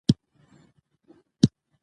سیاسي شفافیت ولس باوري کوي